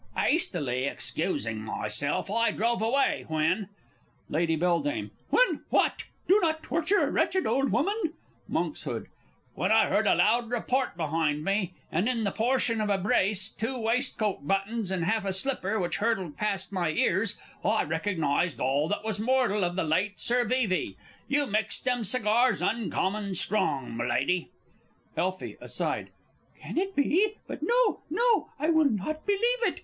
'Astily excusing myself, I drove away, when Lady B. When what? Do not torture a wretched old woman! Monks. When I heard a loud report behind me, and, in the portion of a brace, two waistcoat buttons, and half a slipper, which hurtled past my ears, I recognised all that was mortal of the late Sir Vevey. You mixed them cigars uncommon strong, m'Lady. Elfie (aside). Can it be? But no, no. I will not believe it.